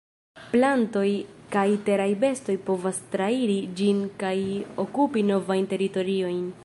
Plantoj kaj teraj bestoj povas trairi ĝin kaj okupi novajn teritoriojn.